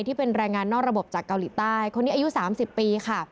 ที่เป็นแรงงานนอกระบบจากเกาหลีใต้คนนี้อายุ๓๐ปีค่ะ